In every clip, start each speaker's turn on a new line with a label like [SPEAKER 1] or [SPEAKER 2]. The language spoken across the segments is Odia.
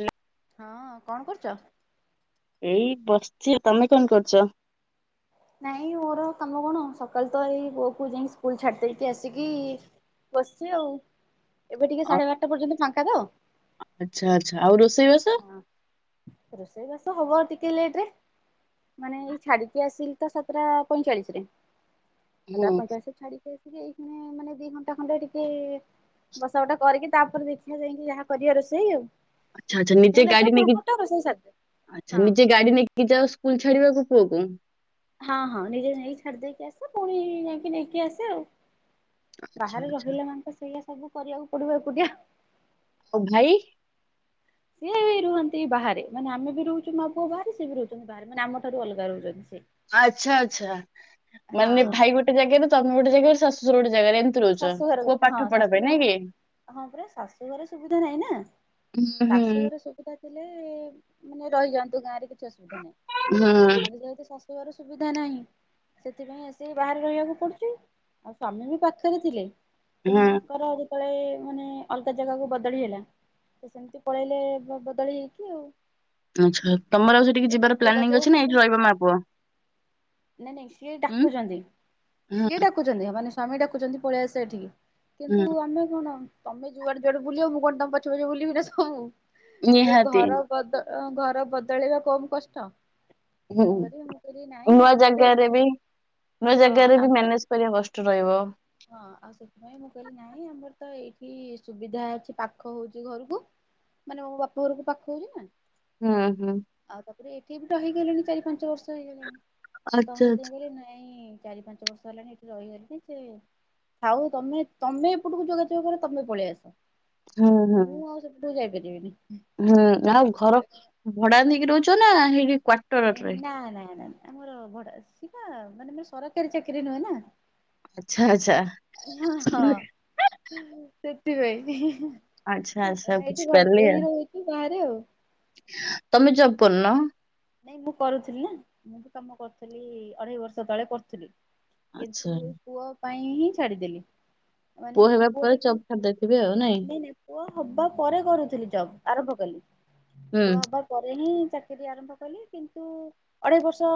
[SPEAKER 1] ହଲୋ।
[SPEAKER 2] ହଁ କଣ କରୁଛ।
[SPEAKER 1] ଏଇ ବସିଛି ତମେ କଣ କରୁଛ।
[SPEAKER 2] ନାଇଁ ମୋର ତମ କଣ ସକାଳୁ ତ ଏଇ ପୁଅ କୁ ଯାଇକି ସ୍କୁଲ ଛାଡି ଦେଇକି ଆସିକି। ବସି ଆଉ ଏବେ ଟିକେ
[SPEAKER 1] ଅ
[SPEAKER 2] ସାଢେ ବାରଟା ପର୍ଯ୍ୟନ୍ତ ଫାଙ୍କା ତ।
[SPEAKER 1] ଆଚ୍ଛା ଆଚ୍ଛା ଆଉ ରୋଷେଇବାସ?
[SPEAKER 2] ହଁ ରୋଷେଇ ବାସ ହବ ଟିକିଏ ଲେଟ ରେ। ମାନେ ଏଇ ଛାଡିକ ଆସ ତ ସାତଟା ପଇଁଚାଳିଶ ରେ।
[SPEAKER 1] ହୁଁ।
[SPEAKER 2] ସାତାର ପଇଁଚାଳିଶ ଛାଡିକି ଆସିକି ଏଇେ ମାନେ ଦି ଘଣ୍ଟା ଖଣ୍ଡେ ଟିକେ। ବସା ଉଠା। କରିକି ତାପରେ ଦେଖିବା ଯାଇକି ଯାହା କରିବା ରୋଷେଇ ଆଉ
[SPEAKER 1] ଅଚ୍ଛା ଆଚ୍ଛା ନିଜେ
[SPEAKER 2] ସ୍କୁଲ ଆସିବା
[SPEAKER 1] ଗାଡି ନେଇକି
[SPEAKER 2] ପୂର୍ବରୁ ଟା ରୋଷେଇ ସାରିଦିଏ।
[SPEAKER 1] ଆଚ୍ଛା
[SPEAKER 2] ହଁ ହଁ
[SPEAKER 1] ନିଜେ ଗାଡି ନେଇକି ଯାଅ ସ୍କୁଲ ଛାଡିବାକୁ। ପୁଅକୁ।
[SPEAKER 2] ହଁ ହଁ ନିଜେ ନେଇକି ଛାଡି ଦେଇକି ଆସେ ପୁଣି ଯାଇକି ନେଇକିଇ ଆସେ।
[SPEAKER 1] ଆଚ୍ଛା
[SPEAKER 2] ବାହାରେ
[SPEAKER 1] ଆଚ୍ଛା
[SPEAKER 2] ରହିଲେ ମାନେ ତ ସେଇଆ ସବୁ କରିବାକୁ ପଡିବ ଏକୁଟଆ।
[SPEAKER 1] ଓ ଭାଇ।
[SPEAKER 2] ସିଏ ବି ରୁହନ୍ତି ବାହାରେ ମାନେ ଆମେ ବି ରହୁଛୁ ମା ପୁଅ ବାହାରେ ସିଏ ବି ରହୁଛନ୍ତି ବାହାରେ ମାନେ ଆମଠାରୁ ଅଲଗା ରହୁଛନ୍ତି। ସେ।
[SPEAKER 1] ଆଚଛା ଆଚ୍ଛା
[SPEAKER 2] ହଁ
[SPEAKER 1] ମାନେ ଭାଇ ଗୋଟେ ଜାଗାରେ ତମେ ଗୋଟେ ଜାଗାରେ ଶାଶୁୁର ଗୋଟେ। ଜାଗାରେ ଏମିତି ରହୁଛ?
[SPEAKER 2] ଶାଶୁଘର
[SPEAKER 1] ପୁଅ
[SPEAKER 2] ଗୋଟେ ହଁ
[SPEAKER 1] ପାଠ ପଢା ପାଇଁ ନାଇଁ
[SPEAKER 2] ଶାଶୁଘର
[SPEAKER 1] କି?
[SPEAKER 2] ହଁ ପୁରା ଶାଶୁ ଘର ସୁବିଧା ନାହିଁ ନା।
[SPEAKER 1] ହୁଁ
[SPEAKER 2] ଶାଶୁଘର
[SPEAKER 1] ହୁଁ
[SPEAKER 2] ସୁବିଧା ଥିଲେ। ମାନେ ରହିଯାଆନ୍ତୁ ଗାଁ ରେ କିଛି ଅସୁବିଧା ନାହିଁ କିନ୍ତୁ ଯେହେତ। ସୁବିଧା ନାହିଁ ସେଥିପାଇଁ ଆସ ବାହାରେ ରହିବାକୁ ପଡୁଛି ଆଉ ସ୍ଵାମୀ ବି। ପାଖରେ ଥିଲେ
[SPEAKER 1] ହୁଁ
[SPEAKER 2] ତେଣୁ
[SPEAKER 1] ହୁଁ।
[SPEAKER 2] ତାଙ୍କର ଳେ ମାନେ ଅଲଗା ଜାଗାକୁ ବଦଳି ହେଲା ତ ସେମିତି ପଳେଇଲେ ବଦଳି ହେଇକି ଆଉ।
[SPEAKER 1] ଆଛା ତମର ଆଉ ସେଠିକ
[SPEAKER 2] ଏପଟେ
[SPEAKER 1] ଯିବାର ପ୍ଲାନିଂ
[SPEAKER 2] ଯୋଗାଯୋଗ
[SPEAKER 1] ଅଛି ନା ଏଠି
[SPEAKER 2] କରୁଛନ୍ତି
[SPEAKER 1] ରହିବା ମା ପୁଅ?
[SPEAKER 2] ନାଇଁ ନାଇଁ ସିଏ
[SPEAKER 1] ଉଁ
[SPEAKER 2] ଡାକୁଛନ୍ତି ସିଏ
[SPEAKER 1] ହୁଁ
[SPEAKER 2] ଡାକୁଛନ୍ତି ହଁ ମନେ ସ୍ୱାମୀ ଡାକୁଛନ୍ତି ପଳେଇ ଆସେ ଏଠିକି
[SPEAKER 1] ହୁଁ
[SPEAKER 2] କିନ୍ତୁ ଆମେ କଣ ତମେ ଯୁଆଡେ ଯୁଆଡେ ବୁଲିବ ମୁଁ କଣ ତମ ପଛ ପଛ ବୁଲିବିିନ ସବୁ ତାପରେ
[SPEAKER 1] ନିହାତି
[SPEAKER 2] ଘର ଗଦ ଘର ବଦଳେଇବା କମ କଷ୍ଟ।
[SPEAKER 1] ହୁଁ
[SPEAKER 2] ତେଣୁ କରିବି ମୁଁ କହିଲି ନାଇଁ
[SPEAKER 1] ନୂଆ
[SPEAKER 2] ଆମର ତ
[SPEAKER 1] ଜାଗାରେ
[SPEAKER 2] ଏଇଠି।
[SPEAKER 1] ବି ନୂଆ
[SPEAKER 2] ହଁ
[SPEAKER 1] ଜାଗାରେ ବି
[SPEAKER 2] ଆମେ
[SPEAKER 1] ମ୍ୟାନେଜ କରିବା କଷ୍ଟ ରହିବ।
[SPEAKER 2] ହଁ ଆଉ ସେଥିପାଇଁ ମୁଁ କହିଲି ନାହିଁ ଆମର ତ ଏଇଠି ସୁବିଧା ଅଛି ପାଖ ହଉଛି ଘରକୁ। ମାନେ ମୋ ବାପା ଘରକୁ ପାଖ ହଉଛି ନା।
[SPEAKER 1] ହୁଁ ହୁଁ
[SPEAKER 2] ଆଉ ତାପରେ ଏଠି ବି ଟା ହେଇଗଲେଣି ଚାରି ପାଞ୍ଚ ବର୍ଷ ହେଇଗଲେଣି। ତମ
[SPEAKER 1] ଆଚ୍ଛା
[SPEAKER 2] ସେଥିପାଇଁ
[SPEAKER 1] ଆଚ୍ଛା
[SPEAKER 2] କହିଲ ନାଇଁ ଚାରି ପାଞ୍ଚ ବର୍ଷ ହେଲାଣି ଏଠି ରହିଗଲିଣି ସେ ଆଉ ତମେ ତମେ ଏପଟକୁ ଯୋଗାଯୋଗ କ ତମେ ପଳେଇ ଆସ।
[SPEAKER 1] ହୁଁ ହୁଁ
[SPEAKER 2] ମୁଁ ଆଉ ସେପଠୁ ଯାଇପାରିବିନି।
[SPEAKER 1] ହୁଁ ଆଉ ଘର ଭଡା ନେଇକି ରହୁଛ ନା ସେଇଠି କ୍ଵଟରରେ?
[SPEAKER 2] ନା ନା ନା ଆମର ଭଡା ସିବା ମାନେ ସରକାରୀ ଚାକିରିୀ ନୁହେଁ ନା।
[SPEAKER 1] ଆଚ୍ଛା ଆଚ୍ଛା
[SPEAKER 2] ୟା ହଁ ସେତିି ପାଇଁ।
[SPEAKER 1] ଆଚ୍ଛା ଆଚ୍ଛା ବୁଝିପାରିଲି
[SPEAKER 2] ରହୁଛୁ ବାହାରେ
[SPEAKER 1] ଆଉ ତମେ ଯବ ପୂନ।
[SPEAKER 2] ନାଇଁ ମୁଁ କରୁଥିଲି ନା ମୁଁ ବି କାମ କରୁଥିଲି ଅଢେଇ ବର୍ଷ ତଳେ କରୁଥିଲି।
[SPEAKER 1] ଆଚ୍ଛା
[SPEAKER 2] କିନ୍ତୁ ଏ ପୁଅ ପାଇଁ ହିଁ ଛାଡିଦେଲି। ମାନେ
[SPEAKER 1] ପୁଅ ହେବା ପରେ
[SPEAKER 2] ପୁଅଟା କ
[SPEAKER 1] ଜବ୍ ଛାଡି ଦେଇଥିବେ ଆଉ
[SPEAKER 2] ନାଇଁ ନାଇଁ ପୁଅ ହବା ପରେ କରୁଥିଲି। ଜବ ଆରମ୍ଭ କଲି
[SPEAKER 1] ହୁଁ
[SPEAKER 2] ପୁଅ ହେବା ପରେ ହିଁ ଚାକିରି ଆରମ୍ଭ କଲି କିନ୍ତୁ ଅଢେଇ ବର୍ଷ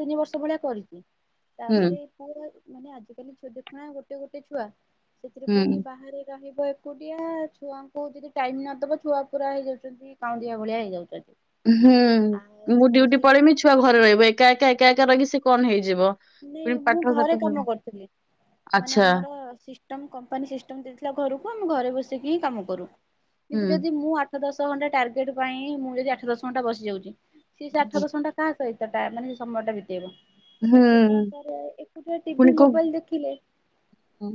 [SPEAKER 2] ତିନି ବର୍ଷ ଭଳିଆ କରିଛି
[SPEAKER 1] ହୁଁ
[SPEAKER 2] ତାପରେ ପୁଅ ମାନେ ଆଜିକାଲି ଛୋଟ ପୁଣା ଗୋଟେ ଗୋଟେ ଛୁଆ ସେଥିରେ
[SPEAKER 1] ହୁଁ
[SPEAKER 2] ପୁଣି ବାହାରେ ରହିବ ବ ଏକୁଟିଆ ଛୁଆଙ୍କୁ ଯଦି ଟାଇମ ନଦବ ଛୁଆ ପୁରା ହେଇଯାଉଛନ୍ତି କାଉଁଦିଆ ଭଳିଆ ହେଇଯାଉଛନ୍ତି।
[SPEAKER 1] ହୁଁ ମୁଁ
[SPEAKER 2] ଆଉ
[SPEAKER 1] ଡଉଟି
[SPEAKER 2] ସେ
[SPEAKER 1] ପଳେଇମି ଛୁଆ ଘରେ ରହିବ ଏକା ଏକା ଏକା ଏକା ରହିି ସେ କଣ ହେଇଯିବ।
[SPEAKER 2] ନାଇଁ
[SPEAKER 1] ପୁଣି
[SPEAKER 2] ମୁଁ
[SPEAKER 1] ପାଠ ସାଠ
[SPEAKER 2] ଘରେ କାମ
[SPEAKER 1] ସବୁ-
[SPEAKER 2] କରୁଥିଲି। ମାନେ
[SPEAKER 1] ଆଚ୍ଛା
[SPEAKER 2] ଆମର ସିଷ୍ଟମ କମ୍ପାନୀ ସିଷ୍ଟମ ଦେଇଥିଲା ଘରକୁ ଆମେ ଘରେ ବସି କି ହିଁ କାମ କରୁ
[SPEAKER 1] ହୁଁ
[SPEAKER 2] କିନ୍ତୁ ଯଦି ମୁଁ ଆ ଆଠ ଦଶ ଘଣ୍ଟା ଟାର୍ଗେଟ ପାଇଁ ମୁଁ ଯଦି ଆଠ ଦଶ ଘଣ୍ଟା ବସିଯାଉଛି ସେ ଆଠ ଦଶଣ୍ଟା କାହା ସହିତ ଟା ମାନେ ସମୟଟା ବିତେଇବ? ତ
[SPEAKER 1] ହୁଁ
[SPEAKER 2] ସେ କଣ କରେ ଏକୁଟଆ ଟିଭି ମୋବାଇଲ ଦେଖିଲେ
[SPEAKER 1] ହଁ।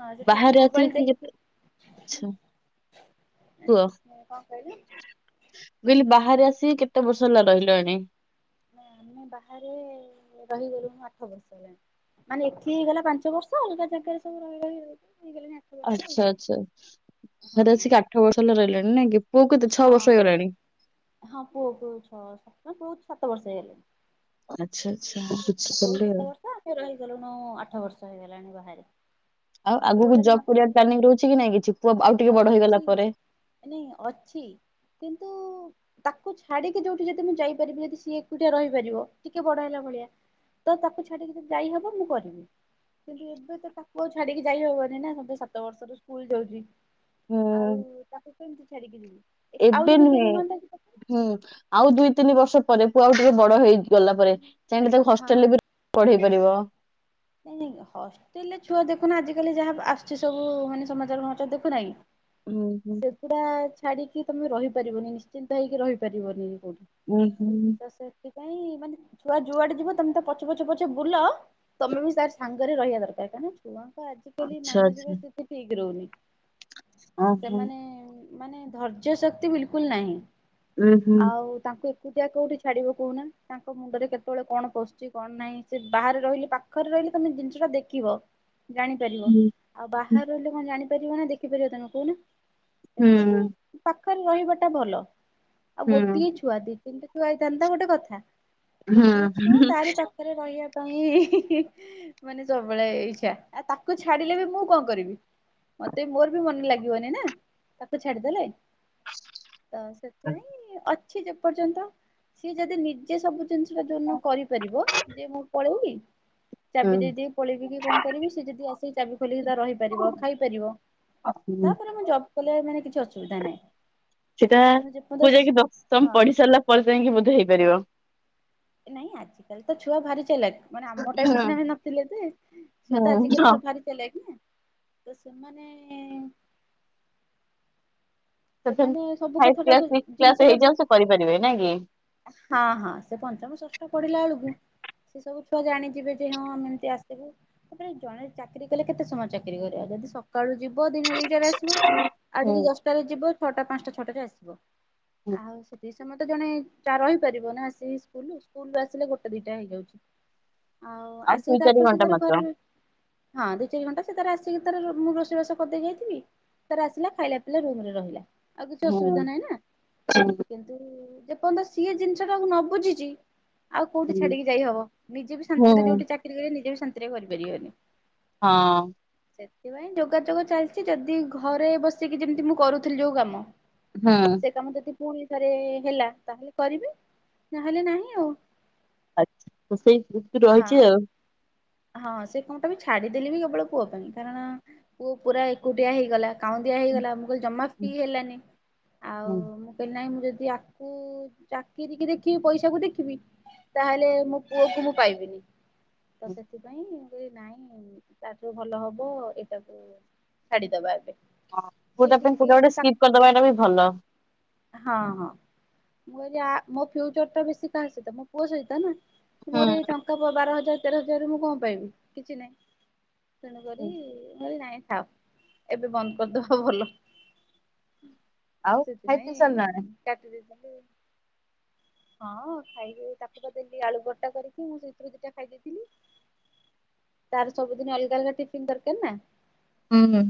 [SPEAKER 2] ହଁ ସେ ଟିଭି
[SPEAKER 1] ବାହାରେ ଆସି
[SPEAKER 2] ମୋବାଇଲ ଦେଖି
[SPEAKER 1] ଟିକେ, ଆଛା। ହୁ
[SPEAKER 2] କଣ କହିଲେ
[SPEAKER 1] ବିଲ ବା ବାହାରେ ଆସିିକି କେତେ ବର୍ଷ ହେଲା ରହିଲଣି?
[SPEAKER 2] ନା ଆମେ ବାହାରେ ରହିଗଲୁଣୀ ଆଠ ବର୍ଷ ହେଲା। ମାନେ ଏଠି ହେଇଗଲା ପାଞ୍ଚ ବର୍ଷ ଅଲଗା ଜାଗାରେ ସବୁ ରହି ରହି ହେଇଗଲାଣି ଆଠ ବର୍ଷ ଆଉ।
[SPEAKER 1] ଆଚ୍ଛା ଆଚ୍ଛା
[SPEAKER 2] ହଁ
[SPEAKER 1] ଘରେସିକ ଆଠ ବର୍ଷ ହେଲା ରହିଲାଣି ନା କି। ପୁଅ କେତେ ଛଅ
[SPEAKER 2] ହଁ
[SPEAKER 1] ବର୍ଷ
[SPEAKER 2] ହଁ
[SPEAKER 1] ହେଇଗଲାଣି?
[SPEAKER 2] ହଁ ପୁଅକୁ ଛଅ ସ ବହୁତ ସାତ ବର୍ଷ ହେଇଗଲେଣି।
[SPEAKER 1] ଆଚ୍ଛା ଆଚ୍ଛା
[SPEAKER 2] ଆ ପୁଅ କୁ
[SPEAKER 1] ବୁଝିପାରିଲି ଆଉ।
[SPEAKER 2] ସାତ ବର୍ଷ ଆମେ ରହିଗଲୁଣି ଆଠ ବର୍ଷ ହେଇଗଲାଣି ବାହାରେ।
[SPEAKER 1] ଆଉ ଆଗକୁ
[SPEAKER 2] ପୁଅଟା
[SPEAKER 1] ଜବ୍
[SPEAKER 2] ଯେମିତି
[SPEAKER 1] କରିବା ପ୍ଲାନିଂ ରହୁଛି କି ନାଇଁ କିଛି ପୁଅ ଆଉ ଟିକେ ବଡ ହେଇଗଲା ପରେ?
[SPEAKER 2] ନାଇ ଅଛି। କିନ୍ତୁ ତାକୁ ଛାଡିକି ଯୋଉଠି ଯଦି ମୁଁ ଯାଇପାରିବି ଯଦି ସିଏ ଏକୁଟିଆ ରହିପାରିବ ଟିକେ ବଡ ହେଲା ଭଳିଆ ତ ତାକୁ ଛାଡିକ ଯଦି ଯାଇ ହବ ମୁଁ କରିବି। କିନ୍ତୁ ଏବେ ତ ତାକୁ ଆଉ ଛାଡିକି ଯାଇ ହବନି ନା ସତେ ସାତ ବର୍ଷର ସ୍କୁଲ ଯାଉଛି।
[SPEAKER 1] ହୁଁ
[SPEAKER 2] ଆଉ ତାକୁ କେମିତି ଛାଡିକି ଯିବି? ଆଉ
[SPEAKER 1] ଏବେ
[SPEAKER 2] ଜଣେ କିଏ
[SPEAKER 1] ନୁହେଁ
[SPEAKER 2] ରୁହନ୍ତା କି ପାଖରେ
[SPEAKER 1] ହୁଁ ଆଉ ଦୁଇ, ତିନି ବର୍ଷ ପରେ ପୁଅ ଆଉ ଟିକେ ବଡ ହେଇଗଲା ପରେ ଚାହିଁଲେ ତାକୁ
[SPEAKER 2] ହଁ
[SPEAKER 1] ହଷ୍ଟେଲରେ ପଢେଇ ପାରିବ।
[SPEAKER 2] ନାଇଁ ନାଇଁ ହଷ୍ଟେଲ ରେ ଛୁଆ ଦେଖୁନ ଆଜିିକାଲି ଯାହା ଆସୁଚି ସବୁ-ଉ-ଉ-ଉ ମାନେ ସମାଚାର ମମାଚାର ଦେଖୁନା କି?
[SPEAKER 1] ହୁଁ ହୁଁ
[SPEAKER 2] ସେଗୁଡା ଛାଡିକି ତମେ ରହିପାରିବନି ନିଶ୍ଚିନ୍ତ ହେଇକି ରହିପାରିବନି।
[SPEAKER 1] ଉୁଁ ହୁଁ।
[SPEAKER 2] କାଇ ମାନେ ଛୁଆ ଯୁଆଡେ ଯିବ ତମେ ତା ପଛେ ପଛେ ପଛେ ବୁଲ ତମେ ବି ତାର ସାଙ୍ଗରେ ରହିବା ଦରକାର। କାହିଁନା ଛୁଆଙ୍କୁ ଆଜିକାଲି
[SPEAKER 1] ଆଚ୍ଛା
[SPEAKER 2] ମାନସିକ
[SPEAKER 1] ଆଚ୍ଛା
[SPEAKER 2] ସ୍ଥିତି ଠିକ ରହୁନି।
[SPEAKER 1] ଓହୋ
[SPEAKER 2] ସେମାନେ-ଏ-ଏ ମାନେ ଧର୍ଯ୍ୟଶକ୍ତି ବିଲକୁଲ ନାହିଁ।
[SPEAKER 1] ଉଁ ହୁଁ।
[SPEAKER 2] ଆଉ ତାଙ୍କୁ ଏକୁଟିଆ କୋଉଠି ଛାଡିବ କହୁନା ତାଙ୍କ ମୁଣ୍ଡରେ କେତେବେଳେ କଣ ପଶୁଛି କଣ ନାହିଁ ସେ ବାହାରେ ରହିଲେ ପା ପାଖରେ ରହିଲେ ତମେ ଜିନିଷ ଟା ଦେଖିବ ଜାଣିପାରିବ
[SPEAKER 1] ହୁଁ
[SPEAKER 2] ଆଉ ବାହାରେ ରହିଲେ କଣ ଜାଣି ପାରିବ ନା ଦେଖିପାରିବ ତାଙ୍କୁ କହୁନା
[SPEAKER 1] ହୁଁ
[SPEAKER 2] ତେଣୁକରି ପାଖରେ ରହିବାଟା ଭଲ। ଆଉ
[SPEAKER 1] ହୁଁ
[SPEAKER 2] ଗୋଟିଏ ଛୁଆ ଦି ତିନିଟା ଛୁଆ ହେଇଥାନ୍ତା ଗୋଟେ କଥା।
[SPEAKER 1] ହୁଁ
[SPEAKER 2] ଗୋଟିଏ ଛୁଆ ତାରି ପାଖରେ ରହିବା ପାଇଁ ହିଁ ହିଁ ହିଁ ଇ ମାନେ ସବୁବେଳେ ଇଛା, ଆଉ ତାକୁ ଛାଡିଲେ ବି ମୁଁ କଣ କରିବି। ମତେ ମୋର ବି ମନେ ଲାଗିବନି ନା ତାକୁ ଛାଡିଦେଲେ। ତ ସେଥିପାଇଁ ଅଛି ଯେ ପର୍ଯ୍ୟନ୍ତ ସିଏ ଯଦି ନିଜେ ସବୁ ଜିନିଷ ଯୋଉ ଦିନ କରିପାରିବ, ଯେ ମୁଁ ପଳେଇବି ଚାବି
[SPEAKER 1] ହୁଁ।
[SPEAKER 2] ଦେଇ ଦେଇକି ପଳେଇିବି କି କଣ କରିବି। ସେ ଯଦି ଆସିକି ଚାବି ଖୋଲିକି ତା
[SPEAKER 1] ହୁଁ
[SPEAKER 2] ରହିପାରିବ, ଖାଇ ପାରିବ
[SPEAKER 1] ହୁଁ
[SPEAKER 2] ତାପରେ ମୁଁ ଜବ୍ କଲେ ମାନେ କିଛି ଅସୁବିଧା ନାହିଁ।
[SPEAKER 1] ସେଟା
[SPEAKER 2] କିନ୍ତୁ
[SPEAKER 1] ପୁଅ
[SPEAKER 2] ଯେପର୍ଯ୍ୟନ୍ତ
[SPEAKER 1] ଯାଇକି ଦଶମ
[SPEAKER 2] ହଁ
[SPEAKER 1] ପଢି ସାରିଲା ପରେ ଯାଇକି ବୋଧେ ହେଇପାରିବ।
[SPEAKER 2] ନାଇଁ ଆଜିକାଲି ତ ଛୁଆ ଭାରି ଚାଲାକ୍। ମାନେ ଆମ ଟାଇମରେ ସିନା ନଥିଲେ ଯେ ଛୁଆ ତ ଆଜିକାଲି ସ ଭାରି ଚାଲେଖି ନା ତ ସେମାନେ-ଏ-ଏ-ଏ
[SPEAKER 1] [unintelligible] ଫାଇବ୍ କ୍ଲାସ ସିକ୍ସ୍ କ୍ଲାସ
[SPEAKER 2] ଜିନିଷଟାକୁ
[SPEAKER 1] ହେଇଯାଉ ସେ କରିପାରିବେ ନାଇଁ। କି?
[SPEAKER 2] ହଁ ହଁ ସେ ପଞ୍ଚମ ଷଷ୍ଠ ପଢ଼ିଲା ବେଳକୁ
[SPEAKER 1] [unintelligible]
[SPEAKER 2] ସେ ସବୁ ଛୁଆ ଜାଣିଯିବେ ଯେ ହଁ ଆମ ଏମତି ଆସିବୁ। ତାପରେ ଜଣେ ଚାକିରି କଲେ କେତେ ସମୟ ଚାକିରି କରିବ ଯଦି ସକାଳୁ ଯିବ ଦିନ ଦିଟାରେ ଆସିବ। ଆଉ
[SPEAKER 1] ହୁଁ।
[SPEAKER 2] ଯଦି ଦଶଟାରେ ଯିବ ଛଅଟା ପାଞ୍ଚଟା ଛଅଟାରେ ଆସିବ।
[SPEAKER 1] ହୁଁ
[SPEAKER 2] ଆଉ ସେଠି ସେ ମତେ ଜଣେ ଚା ରହିପାରିବ ନା ସେଇ ସ୍କୁଲୁରୁ ସ୍କୁଲ୍ ରୁ ଆସିଲେ ଗୋଟେ ଦିଟା ହେଇଯାଉଛି। ଆଉ ଆସିକି
[SPEAKER 1] ଦୁଇ ଚାରି
[SPEAKER 2] ତାପରେ ସେ
[SPEAKER 1] ଘଣ୍ଟା
[SPEAKER 2] ତାର
[SPEAKER 1] ମାତ୍ର
[SPEAKER 2] ଘରେ, ହଁ ଦି ଚାରି ଘଣ୍ଟା ସେ ତାର ଆସିକି ତାର ରୁମ ମୁଁ ରୋଷେଇବାସ କରିଦେଇ ଯାଇଥିବି। ତାର ଆସିଲା ଖାଇଲା ପିଇଲା ରୁମରେ ରହିଲା। ଆଉ କିଛି
[SPEAKER 1] ହୁଁ।
[SPEAKER 2] ଅସୁବିଧା ନାହିଁ ନା। କିନ୍ତୁ-ଉ-ଉ-ଉ ଯେପର୍ଯ୍ୟନ୍ତ ସିଏ ଜିନିଷ ଟାକୁ ନ ବୁଝିଚି ଆଉ କୋଉଠି ଛାଡିକି ଯାଇହବ। ନିଜେ ବି
[SPEAKER 1] ହଁ
[SPEAKER 2] ଶାନ୍ତିରେ
[SPEAKER 1] ହଁ
[SPEAKER 2] ଯୋଉଠି ଚାକିରିି କରିବ ନିଜେ ବି ଶାନ୍ତିରେ କରିପାରିବନି।
[SPEAKER 1] ହଁ-ଅ-ଅ-ଅ
[SPEAKER 2] ସେଥିପାଇଁ ଯୋଗାଯୋଗ ଚାଲିଛି ଯଦି ଘରେ ବସିକି ଯେମିତି ମୁଁ କରୁଥିଲି ଯୋଉ କାମ ସେ କାମ ଯଦି ପୁଣି ଥରେ-ଏ-ଏ-ଏ ହେଲା ତାହେଲେ କରିବି ନହେଲେ ନାହିଁ ଆଉ।
[SPEAKER 1] ଆଛା ସେଇ [unintelligible]
[SPEAKER 2] ହଁ।
[SPEAKER 1] ରହିଛି ଆଉ।
[SPEAKER 2] ହଁ ସେ କଣଟା ବି ଛାଡିଦେଲି ବି କେବଳ ପୁଅ ପାଇଁ କାରଣ-ଅ-ଅ ପୁଅ ପୁରା ଏକୁଟିଆ ହେଇଗଲା। କାଉଁ ଦିଆ ହେଇଗଲା ମୁଁ କହିଲି ଜମା ଫି ହେଲାନି। ଆଉ
[SPEAKER 1] ହୁଁ
[SPEAKER 2] ମୁଁ କହିଲି ନାହିଁ ମୁଁ ଯଦି ୟାକୁ-ଉ-ଉ ଚାକିରିକି ଦେଖିବି, ପଇସାକୁ ଦେଖିବି ତାହେଲେ ମୋ ପୁଅ କୁ ମୁଁ ପାଇବିନି। ତ ସେ ନାଇଁ ନାଇଁ ତାଠୁ ଭଲ ହବ ଏଇଟାକୁ ଛାଡିଦବା ଏବେ।
[SPEAKER 1] ହଁ
[SPEAKER 2] ସିଏ
[SPEAKER 1] କୋଟା ପାଇଁ କୋଟାକୁ
[SPEAKER 2] ଟିକେ
[SPEAKER 1] ଗୋଟେ
[SPEAKER 2] ମାନେ ତା
[SPEAKER 1] ସ୍କିପ୍ କରିଦବା ଏଇଟା ବି ଭଲ।
[SPEAKER 2] ହଁ ହଁ ମୁଁ କହିଲି ଆ ମୋ ଫ୍ୟୁଚର ଟା ବେଶୀ କାହା ସହିତ ମୋ ପୁଅ ସହିତ ନା। ମୋର ଏଇ
[SPEAKER 1] ହୁଁ
[SPEAKER 2] ଟଙ୍କା ପ ବାର ହଜାର ତେର ହଜାର ମୁଁ କଣ ପାଇବି କିଛି ନାହିଁ। ତେଣୁ କରି-ଇ-ଇ ମୁଁ କଇଲି ନାଇଁ ଥାଉ ଏବେ ବନ୍ଦ କରିଦବା ଭଲ।
[SPEAKER 1] ଆଉ ଖାଇ ପିଇ
[SPEAKER 2] ସେଥିପାଇଁ
[SPEAKER 1] ସାରିଲଣି?
[SPEAKER 2] କାଟି ଦେଇ
[SPEAKER 1] [inaudible]
[SPEAKER 2] ହଁ ଖାଇ ତାକୁ ତ ଦେଲି ଆଳୁ ପର୍ଟା କରିକି ମୁଁ ସେଇଥିରୁ ଦିଟା ଖାଇଦେଇଥିଲି ତାର ସବୁଦିନ ଅଲଗା ଅଲଗା ଟିଫିନ ଦରକାର ନା।
[SPEAKER 1] ହୁଁ ହୁଁ।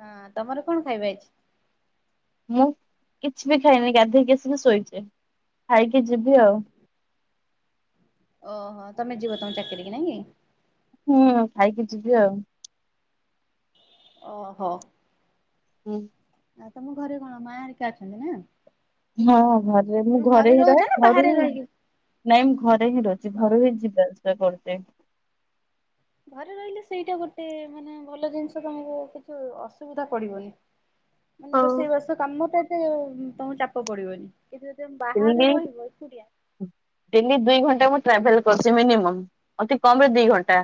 [SPEAKER 2] ହଁ ତମର କଣ ଖାଇବା ହେଇଚି।
[SPEAKER 1] ମୁଁ କିଛି ବି ଖାଇନି ଗାଧେଇକି ଆସିକି ଶୋଇଛି, ଖାଇକି ଯିବି ଆଉ।
[SPEAKER 2] ଓହୋ ତମେ ଯିବ ତମ ଚାକିରି କି ନାଁ କି
[SPEAKER 1] ହୁଁ ଖାଇକି ଯିବି ଆଉ।
[SPEAKER 2] ଓହୋ।
[SPEAKER 1] ହୁଁ।
[SPEAKER 2] ଆ ତମ ଘରେ କଣ ମା ଆରିକା ଅଛନ୍ତି ନା
[SPEAKER 1] ହଁ ଘରେରେ ମୁଁ
[SPEAKER 2] ତମେ
[SPEAKER 1] ଘରେ ହିଁ ରହ
[SPEAKER 2] ରହୁଛ ନା
[SPEAKER 1] ଘରୁ
[SPEAKER 2] ବାହାରେ
[SPEAKER 1] ହିଁ
[SPEAKER 2] ରହିକି
[SPEAKER 1] ନାଇଁ ମୁଁ ଘରେ ହିଁ ରହୁଛି ଘରୁ ହିଁ ଯିବା ଆସିବା କରୁଚେ ।
[SPEAKER 2] ଘରେ ରହିଲେ ସେଇଟା ଗୋଟେ ମାନେ ଭଲ ଜିନିଷ ତମକୁ କିଛି ଅସୁବିଧା ପଡିବନି। ମାନେ ରୋଷେଇବାସ କାମ ତା ଏତେ ତମକୁ ଚାପ ପଡିବନି। କିନ୍ତୁ ଯଦି ତମେ ବାହାରେ ରହିବ ଏକୁଟିଆ
[SPEAKER 1] ଡେଲି ଦୁଇ ଘଣ୍ଟା ମୁଁ ଟ୍ରାଭେଲ କରୁଛି, ମିନିମମ୍ । କମ ରେ ଦି ଘଣ୍ଟା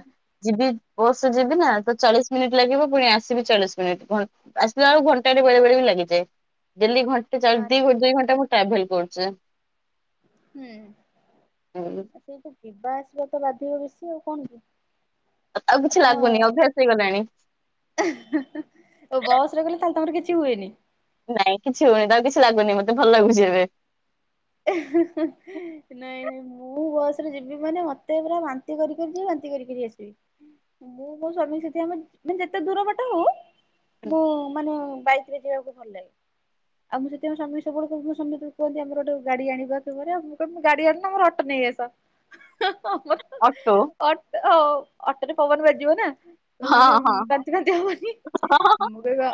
[SPEAKER 1] ଯିବି ବସ ଯିବି ନା ତ ଚାଳିଶ ମିନିଟ ଲାଗିବ ପୁଣି ଆସିବି ଚାଳିଶ ମିନିଟ୍ ଆସିଲା ବେକୁ ଘଣ୍ଟାଟ ବେଳେ ବେଳେ ବି ଲାଗିଯାଏ। ଦେଲି ଘଣ୍ଟେ ଚାଳିଶ୍ ଦି
[SPEAKER 2] ଆଚ୍ଛା।
[SPEAKER 1] ଦୁଇ ଘଣ୍ଟା ମୁଁ ଟ୍ରାଭେଲ କରୁଛି।
[SPEAKER 2] ହୁଁ
[SPEAKER 1] ହୁଁ।
[SPEAKER 2] ଆଛ [unintelligible] ଯିବା ଆସିବା ତ ବାଧିବ ବେଶି ଆଉ କଣ କି।
[SPEAKER 1] ଆଉ କିଛି ଲାଗୁନି ଅଭ୍ୟାସ ହେଇଗଲାଣି।
[SPEAKER 2] ଓ ବସରେ ଗଲେ ଖାଲି ତମର କିଛି ହୁଏନି ।
[SPEAKER 1] ନାଇଁ କିଛି ହଉନି ତଉ କିଛି ଲାଗୁନି, ମତେ ଭଲ ଲାଗୁଛି ଏବେ
[SPEAKER 2] ହେଁ ହେଁ ହେଁ ନାଇଁ ନାଇଁ । ମୁଁ ବସ ରେ ଯିବି ମାନେ ମତେ ପୁରା ବାନ୍ତି କରି କରି ଯିବି ବାନ୍ତି କରି କରି ଆସିବି। ମୁଁ ମୋ ସ୍ବାମୀ ସେଥି ପାଇଁ ଆମ ମାନେ ଯେତେ ଦୂର ବାଟେ ହଉ ମୁଁ ମାନେ ବାଇକ୍ ରେ ଯିବାକୁ ଭଲ ଲାଗେ ଆଉ ମୁଁ ସେଥିପାଇଁ [unintelligible] ଆମର ଗୋଟେ ଗାଡି ଆଣିବାରେ ମୁଁ କ ଗାଡି ଆଣିନ ମୋର ଅଟୋ ନେଇ ଆସ ମ
[SPEAKER 1] ଅଟୋ
[SPEAKER 2] ଅଟୋ ହଁ ଅଟୋରେ ପବନ ବାଜିବ ନା ତ
[SPEAKER 1] ହଁ
[SPEAKER 2] ମାନେ
[SPEAKER 1] ହଁ
[SPEAKER 2] ବାନ୍ତି ଫାନ୍ତି ହବନି [unintelligible] ଆଉ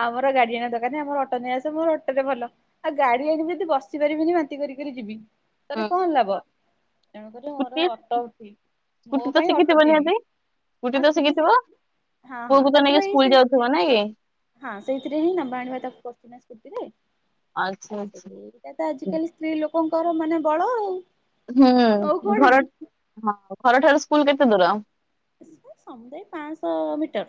[SPEAKER 2] ଆମର ଗାଡି ଆଣିବା ଦରକାର ନାଁ ଆମର ଅଟୋ ନେଇ ଆସ, ମୋ ଅଟୋରେ ଭଲ ଆଉ ଗାଡି ଆଣି ଯଦି ବସ ବସି ପାରିବିନି ବାନ୍ତି କରି କରି ଯିବି ତାଲେ
[SPEAKER 1] ହଁ
[SPEAKER 2] କଣ ଲାଭ ତେଣୁକରି ମୋର
[SPEAKER 1] ସ୍କୁଟି
[SPEAKER 2] ଅଟୋ ଠିକ୍ ମୋ
[SPEAKER 1] ସ୍କୁଟି ତ
[SPEAKER 2] ପାଇଁ ଅଟୋ
[SPEAKER 1] ଶିଖିଥିବ
[SPEAKER 2] ଠିକ୍
[SPEAKER 1] ନିହାତି,
[SPEAKER 2] ହଁ
[SPEAKER 1] ସ୍କୁଟି ତ
[SPEAKER 2] ସ୍କୁଟି
[SPEAKER 1] ଶିଖିଥିବ
[SPEAKER 2] ଶିଖିଛି ହଁ ହଁ
[SPEAKER 1] ପୁଅକୁ ତ ନେଇକି
[SPEAKER 2] ତାକୁଇ
[SPEAKER 1] ସ୍କୁଲ
[SPEAKER 2] ସେ
[SPEAKER 1] ଯାଉଥିବ ନାଇଁ କି?
[SPEAKER 2] ହଁ ସେଇଥିରେ ହିଁ ନବା ଆଣିବା ତାକୁ ପ
[SPEAKER 1] ଆଚ୍ଛା ଆଚ୍ଛା।
[SPEAKER 2] ଏଇ ତ ଆଜିକାଲି ସ୍ତ୍ରୀ ଲୋକଙ୍କର ମାନେ ବଳ ଆଉ। ଆଉ
[SPEAKER 1] ହୁଁ
[SPEAKER 2] କଣ
[SPEAKER 1] ଘର ହଁ ଘରଠାରୁ ସ୍କୁଲ କେତେ ଦୂର ।
[SPEAKER 2] ସମୁଦାୟ ପାଞ୍ଚଶହ ମିଟର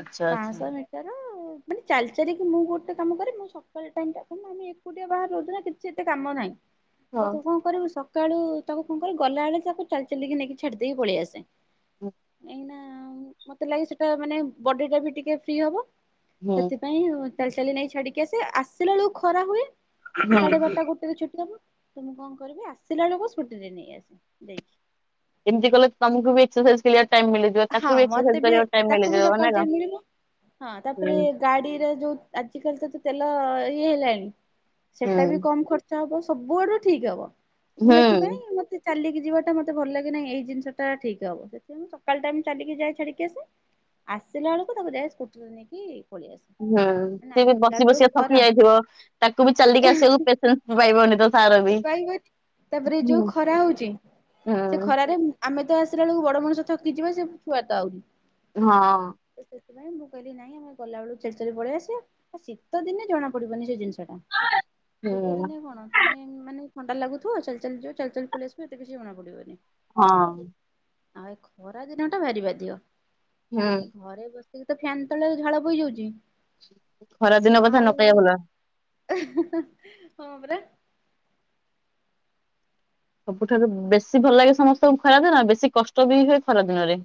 [SPEAKER 1] ଆଚ୍ଛା ଆଚ୍ଛା।
[SPEAKER 2] ପାଞ୍ଚଶହ ମିଟର ମାନେ ଚାଲିଚାରିକି ମୁଁ ଗୋଟେ କାମ କରେ ମୁଁ ସକାଳ ଟାଇମ୍ ଟା ଆମେ ଏକୁଟିଆ ବାହାରେ ରହୁଛ ନା କିଛି ଏତେ କାମ ନାହିଁ।
[SPEAKER 1] ହଁ
[SPEAKER 2] ତ ତୁ କଣ କରିବୁ ସକାଳୁ ତାକୁ କଣ କରେ ଗଲା ବେଳେ ତାକୁ ଚାଲି ଚାଲିକି ନେଇକି ଛାଡିଦ ଦେଇକି ପଳେଇ ଆସେ ।
[SPEAKER 1] ହୁଁ
[SPEAKER 2] ଏଇନା ମତେ ଲାଗେ ସେଟା ମାନେ ବଡି ଟା ବି ଟିକେ ଫ୍ରି ହବ। ସେଥିପାଇଁ ଚାଲି ଚାଲି ନେଇ ଛାଡିକି ଆସ ଆସିଲା ବେଳକୁ ଖରା ହୁଏ। ସାଢ଼େ
[SPEAKER 1] ହୁଁ।
[SPEAKER 2] ବାରଟା ଗୋଟେ ଛୁଟି [unintelligible] ତ ମୁଁ କଣ କରିବି ଆସିଲା ବେଳକୁ ସ୍କୁଟିରେ ନେଇ ଆସେ ଯାଇକି ।
[SPEAKER 1] ଏମିତି କଲେ ତମକୁ ବି ଏକ୍ସରସାଇଜ୍
[SPEAKER 2] ହଁ ମତେ ବି ତାକୁ ବି
[SPEAKER 1] ମିଳିଯିବ ନା
[SPEAKER 2] ସକାଳୁ
[SPEAKER 1] କଣ?
[SPEAKER 2] ଟିକେ ମିଳିବ । ହଁ
[SPEAKER 1] ହୁଁ
[SPEAKER 2] ତାପରେ ଗାଡିର ଯୋଉ ଆଜିିକାଲି ତ ଇଏ ହେଲାଣି
[SPEAKER 1] ହୁଁ
[SPEAKER 2] ସେଟା ବି କମ ଖର୍ଚ୍ଚ ହବ, ସବୁଆଡୁ ଠିକ ହବ। ମୁଁ
[SPEAKER 1] ହୁଁ
[SPEAKER 2] ସେଥିପାଇଁ ମତେ ଚାଲିକି ଯିବାଟା ମତେ ଭଲ ଲାଗେ ନାହିଁ ଏଇ ଜିନିଷଟା ଠିକ ହବ ସେଥିପାଇଁ ସକାଳ ଟାଇମ୍ ଚାଲିକି ଯାଏ ଛାଡିକି ଆସେ, ଆସିଲା ବେଳକୁ ତାକୁ ଯାଏ ସ୍କୁଟିରେ ନେଇକି ପଳେଇ ଆସେ।
[SPEAKER 1] ହୁଁ
[SPEAKER 2] ନା
[SPEAKER 1] ସିଏ ବି
[SPEAKER 2] ଆସିଲା
[SPEAKER 1] ବସି
[SPEAKER 2] ବେଳେ ଯୋଉ
[SPEAKER 1] ବସିଆ
[SPEAKER 2] ଖରା
[SPEAKER 1] ଥକି ଯାଇଥିବ, ତାକୁ ବି ଚାଲିକି ଆସିବାକୁ ପେସେନ୍ସ ପାଇବନି ତ ତାର ବି।
[SPEAKER 2] ପାଇବନି ତାପରେ
[SPEAKER 1] ହୁଁ
[SPEAKER 2] ଯୋଉ ଖରା ହଉଛି ସେ
[SPEAKER 1] ହୁଁ
[SPEAKER 2] ଖରାରେ ଆମେ ତ ଆସିଲା ବେଳକୁ ବଡ ମଣିଷ ଥକି ଯିବା ସେ ଛୁଆ ତ ଆହୁରି।
[SPEAKER 1] ହଁ।
[SPEAKER 2] ତ ସେଥିପାଇଁ ମୁଁ କହିଲି ନାଇଁ ଆମ ଗଲାବେଳକୁ [unintelligible] ପଳେଇଆସିବା ଆ ଶୀତ ଦିନେ ଜଣା ପଡିବନି ସେ ଜିନିଷ। ଶୀତ
[SPEAKER 1] ହୁଁ
[SPEAKER 2] ଦିନେ କଣ? ତମେ ମାନେ ଥଣ୍ଡା ଲାଗୁଥିବ ଚାଲି ଚାଲି ଯିବା ଚାଲି ଚାଲି ପଳେଇ ଆସିବା ଏତେ କିଛି ଜଣା ପଡିବନି।
[SPEAKER 1] ହଁ।
[SPEAKER 2] ଆଉ ଏ ଖରା ଦିନ ଟା ଭାରି ବାଧିବ
[SPEAKER 1] ହୁଁ
[SPEAKER 2] ଏ ଘରେ ବସ ତ ଫ୍ୟାନ୍ ତଳେ ଝାଳ ବହିଯାଉଛି।
[SPEAKER 1] ଖରାଦିନ କଥା ନ କହିଆ ଭଲ।
[SPEAKER 2] ହଁ ପରା।
[SPEAKER 1] ସବୁଠାରୁ ବେଶୀ ଭଲ ଲାଗେ ସମସ୍ତଙ୍କୁ ଖରାଦିନରେ ବେଶୀ କଷ୍ଟ ବି ହୁଏ ଖରାଦିନରେ।